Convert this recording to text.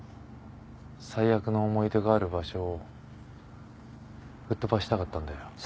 最悪の思い出がある場所を吹っ飛ばしたかったんだよ。